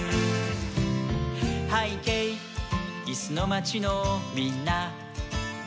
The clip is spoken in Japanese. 「はいけいいすのまちのみんな」